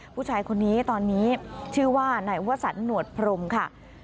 ผู้ชายคนนี้ตอนนี้ชื่อว่านายวสันหนวดพรมค่ะ